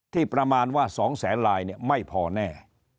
ประมาณว่า๒แสนลายไม่พอแน่